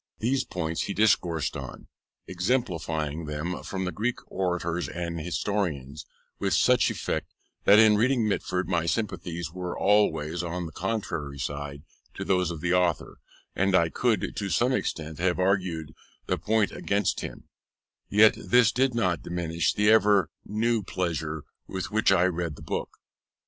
These points he discoursed on, exemplifying them from the Greek orators and historians, with such effect that in reading Mitford my sympathies were always on the contrary side to those of the author, and I could, to some extent, have argued the point against him: yet this did not diminish the ever new pleasure with which I read the book.